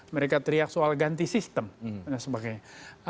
mereka teriak soal ganti sistem dan sebagainya